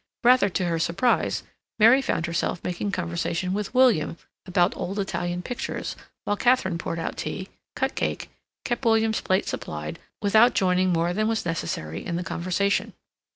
Rather to her surprise, Mary found herself making conversation with William about old Italian pictures, while Katharine poured out tea, cut cake, kept William's plate supplied, without joining more than was necessary in the conversation.